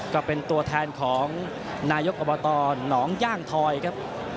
ก็เป็นตัวแทนของนายกอบตหนองย่างทอยครับ